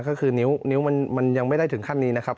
ก็คือนิ้วมันยังไม่ได้ถึงขั้นนี้นะครับ